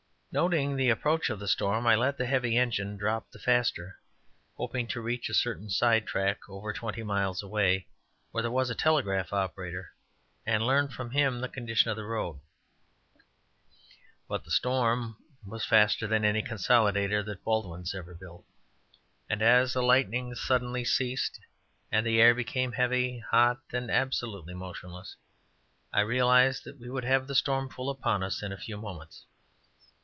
Noting the approach of the storm, I let the heavy engine drop the faster, hoping to reach a certain sidetrack, over twenty miles away, where there was a telegraph operator, and learn from him the condition of the road. But the storm was faster than any consolidator that Baldwins ever built, and as the lightning suddenly ceased and the air became heavy, hot, and absolutely motionless, I realized that we would have the storm full upon us in a few moments.